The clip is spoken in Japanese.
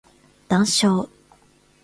談笑